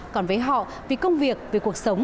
còn với họ vì công việc vì cuộc sống